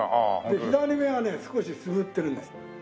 で左目はね少しつむってるんです。